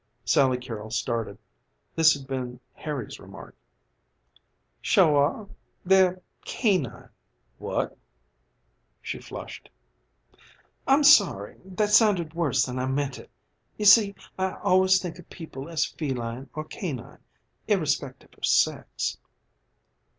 Sally Carrol started. This had been Harry's remark. "Sure are! They're canine." "What?" She flushed. "I'm sorry; that sounded worse than I meant it. You see I always think of people as feline or canine, irrespective of sex."